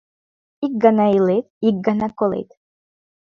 — Ик гана илет, ик гана колет.